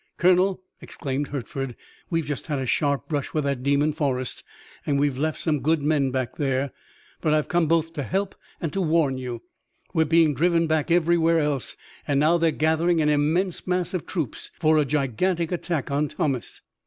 "Colonel," exclaimed Hertford, "we've just had a sharp brush with that demon, Forrest, and we've left some good men back there. But I've come both to help and to warn you. We're being driven back everywhere else, and now they're gathering an immense mass of troops for a gigantic attack on Thomas!"